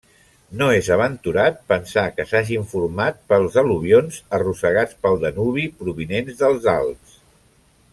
No és aventurat pensar que s'hagin format pels al·luvions arrossegats pel Danubi provinents dels Alps.